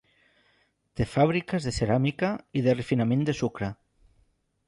Té fàbriques de ceràmica i de refinament de sucre.